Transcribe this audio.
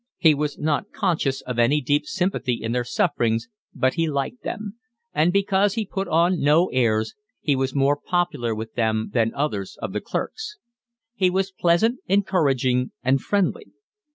He was not conscious of any deep sympathy in their sufferings, but he liked them; and because he put on no airs he was more popular with them than others of the clerks. He was pleasant, encouraging, and friendly.